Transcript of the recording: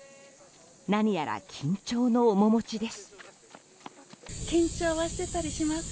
何やら緊張の面持ちです。